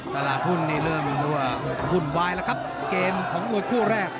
ตลาดหุ้นนี่เริ่มวุ่นวายแล้วครับเกมของมวยคู่แรก